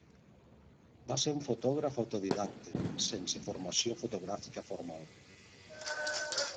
Va ser un fotògraf autodidacte sense formació fotogràfica formal.